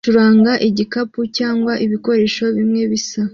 acuranga igikapu cyangwa ibikoresho bimwe bisa